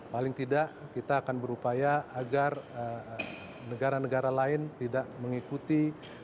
paling tidak kita akan berupaya agar negara negara lain tidak mengikuti